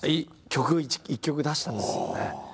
曲１曲出したんですよね。